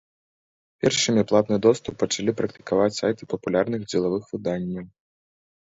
Першымі платны доступ пачалі практыкаваць сайты папулярных дзелавых выданняў.